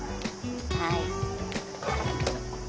はい。